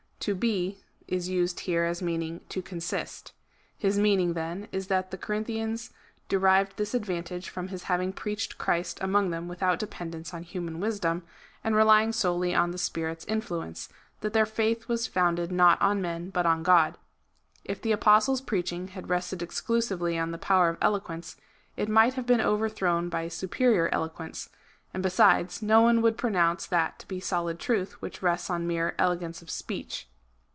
To be is used here as meaning to consist His meaning, then, is, that the Corinthians derived this advantage from his having preached Christ among them without dependence on human wisdom, and relying solely on the Spirit's in fluence, that their faith was founded not on men but on God. If the Apostle's preaching had rested exclusively on the power of eloquence, it might have been overthrown by superior eloquence, and besides, no one would pronounce that to be solid truth which rests on mere elegance of speech.